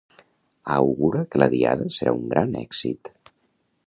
Augura que la Diada serà un gran èxit.